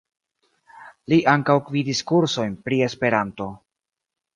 Li ankaŭ gvidis kursojn pri Esperanto.